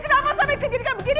kenapa sampai kejadian kamu gini